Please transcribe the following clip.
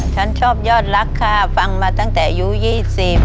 ฉันชอบยอดรักค่ะฟังมาตั้งแต่อายุยี่สิบ